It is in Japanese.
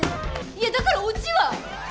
いやだからオチは！？